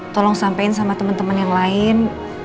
tolong sampein sama temen temen yang lain